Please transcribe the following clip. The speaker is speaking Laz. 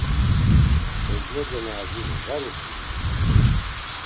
Ezmoce na uziru var utzvii?